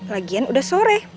lagian udah sore